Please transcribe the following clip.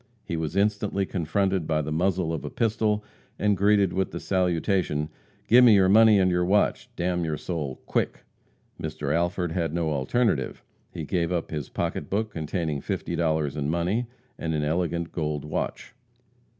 He was instantly confronted by the muzzle of a pistol and greeted with the salutation: "Give me your money and your watch, d n your soul! quick!" Mr. Alford had no alternative. He gave up his pocketbook containing fifty dollars in money, and an elegant gold watch.